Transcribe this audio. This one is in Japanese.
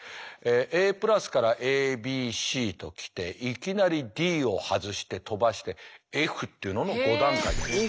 ＡからＡＢＣときていきなりＤを外して飛ばしてＦっていうのの５段階になります。